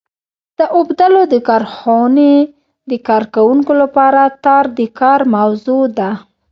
د اوبدلو د کارخونې د کارکوونکو لپاره تار د کار موضوع ده.